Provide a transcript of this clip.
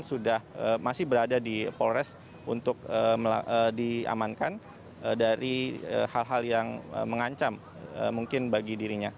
sudah masih berada di polres untuk diamankan dari hal hal yang mengancam mungkin bagi dirinya